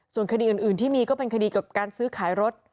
ส่วนคดีอื่นที่มีก็เป็นคดีกับการซื้อขายรถ